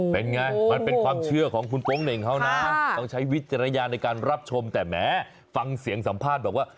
อ้อเป็นอย่างไรมันเป็นความเชื่อของคุณโป้งเน่งเขาน่ะ